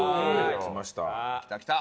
来ました。